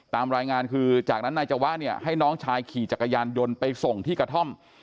ตามรายงานคือจากนั้นนายจวะเนี่ยให้น้องชายขี่จักรยานยนต์ไปส่งที่กระท่อม